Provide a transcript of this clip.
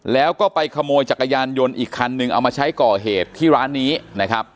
แล้วก็ไปขโมยจักรยานยนต์อีกคันนึงเอามาใช้ก่อเหตุที่ร้านนี้นะครับ